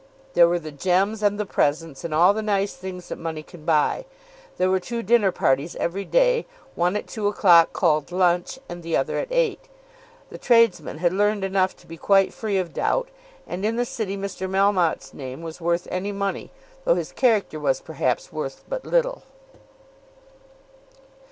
There were the gems, and the presents, and all the nice things that money can buy. There were two dinner parties every day, one at two o'clock called lunch, and the other at eight. The tradesmen had learned enough to be quite free of doubt, and in the City Mr. Melmotte's name was worth any money, though his character was perhaps worth but little.